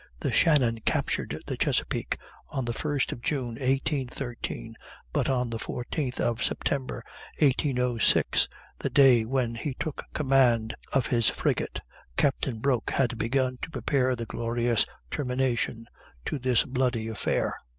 The Shannon captured the Chesapeake on the first of June, 1813, but on the 14th of September, 1806, the day when he took command of his frigate, Captain Broke had begun to prepare the glorious termination to this bloody affair."